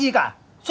định làm gì